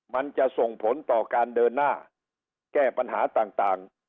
มันจะส่งผลต่อการเดินหน้าแก้ปัญหาต่าง